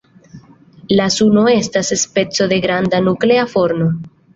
La Suno estas speco de granda nuklea forno.